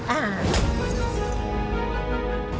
อ่า